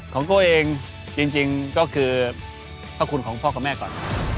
โก้เองจริงก็คือพระคุณของพ่อกับแม่ก่อน